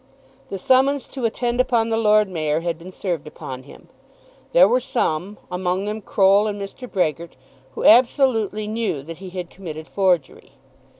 The summons to attend upon the Lord Mayor had been served upon him. There were some, among them Croll and Mr. Brehgert, who absolutely knew that he had committed forgery.